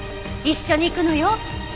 一緒に行くのよ